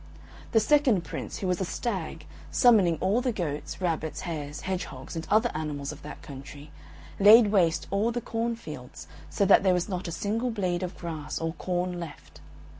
The second Prince, who was a Stag, summoning all the goats, rabbits, hares, hedgehogs, and other animals of that country, laid waste all the corn fields so that there was not a single blade of grass or corn left.